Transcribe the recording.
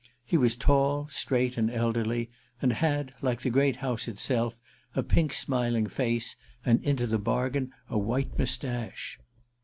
He was tall, straight and elderly and had, like the great house itself, a pink smiling face, and into the bargain a white moustache.